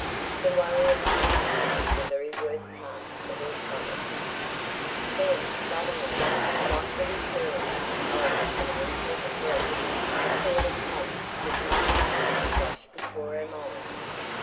The worry about him was the very worst part of her troubles. Then, suddenly, like the recurrence of an unpleasant dream, the thought of Tom's midnight visit flashed before her mind.